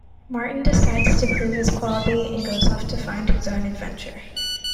Martin decides to prove his quality, and goes off to find his own adventure.